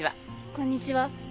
こんにちは。